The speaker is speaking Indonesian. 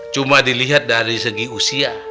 cuma dilihat dari segi usia